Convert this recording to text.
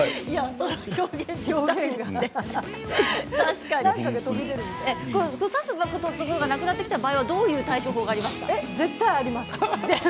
挿すところがなくなってきた場合はどういう対処法がありますか？